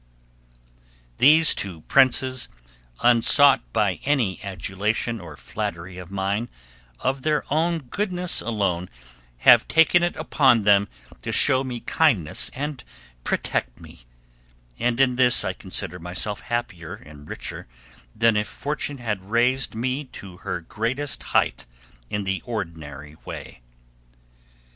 These two princes, unsought by any adulation or flattery of mine, of their own goodness alone, have taken it upon them to show me kindness and protect me, and in this I consider myself happier and richer than if Fortune had raised me to her greatest height in the ordinary way.